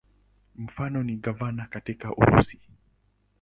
Mfano ni gavana katika Urusi.